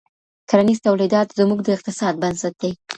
کرنیز تولیدات زموږ د اقتصاد بنسټ دی.